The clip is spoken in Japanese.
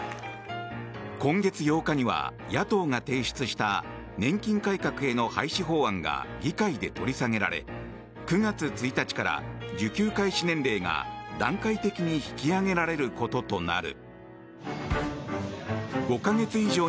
今月８日には野党が提出した年金改革への廃止法案が議会で取り下げられ９月１日から受給開始年齢が段階的に引き上げられることとなる。